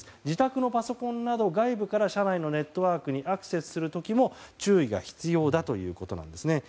自宅のパソコンなど外部から社内のネットワークにアクセスする時も注意が必要だということです。